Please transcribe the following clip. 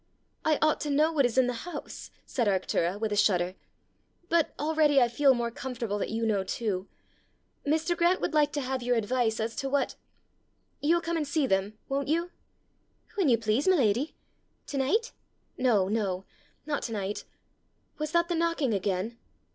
"I ought to know what is in the house!" said Arctura, with a shudder. "But already I feel more comfortable that you know too. Mr. Grant would like to have your advice as to what . You'll come and see them, won't you?" "When you please, my lady. To night?" "No, no! not to night. Was that the knocking again?